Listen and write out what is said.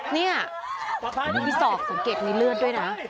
นี่อะว่าพี่ศอกสงกัดมีเลือดด้วยนะ